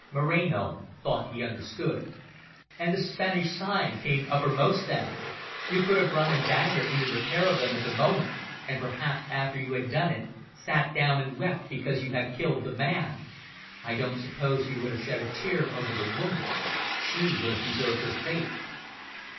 Moreno thought he understood. "And the Spanish side came uppermost then. You could have run a dagger into the pair of them at the moment, and perhaps after you had done it, sat down and wept because you had killed the man. I don't suppose you would have shed a tear over the woman she would have deserved her fate."